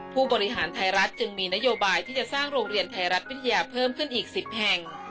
ผู้บริหารไทยรัฐจึงมีนโยบายที่จะสร้างโรงเรียนไทยรัฐวิทยาเพิ่มขึ้นอีก๑๐แห่ง